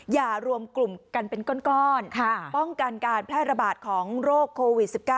อย่ารวมกลุ่มกันเป็นก้อนป้องกันการแพร่ระบาดของโรคโควิด๑๙